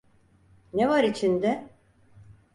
Ne var içinde?